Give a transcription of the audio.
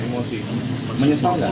emosi menyesal pak